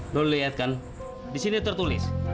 lo lihat kan disini tertulis